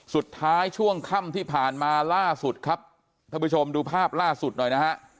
ช่วงค่ำที่ผ่านมาล่าสุดครับท่านผู้ชมดูภาพล่าสุดหน่อยนะฮะ